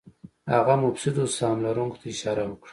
هغه مفسدو سهم لرونکو ته اشاره وکړه.